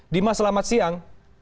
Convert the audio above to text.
dimas selamat siang